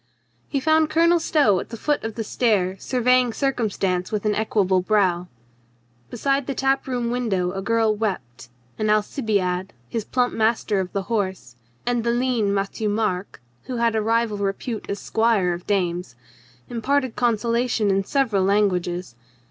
He found Colonel Stow at the foot of the stair sur veying circumstance with equable brow. Beside the tap room window a girl wept, and Alcibiade, his plump master of the horse, and the lean Matthieu Marc (who had a rival repute as squire of dames) imparted consolation in several languages.